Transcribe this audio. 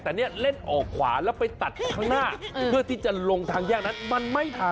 แต่เนี่ยเล่นออกขวาแล้วไปตัดข้างหน้าเพื่อที่จะลงทางแยกนั้นมันไม่ทัน